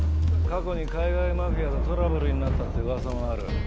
過去に海外マフィアとトラブルになったって噂もある。